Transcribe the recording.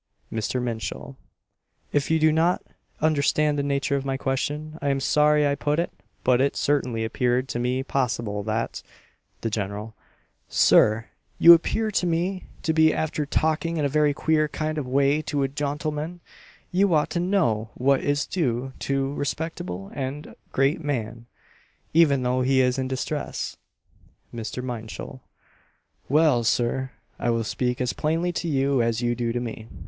Mr. Minshull "If you do not understand the nature of my question, I am sorry I put it; but it certainly appeared to me possible that " The General "Sir, you appear to me to be after taalking in a very queer kind of a way to a jontleman! You ought to know what is due to a respectable and graat man, even though he is in distress." Mr. Minshull "Well, Sir, I will speak as plainly to you as you do to me.